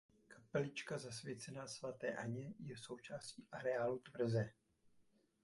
Kaplička zasvěcená svaté Anně je součástí areálu tvrze.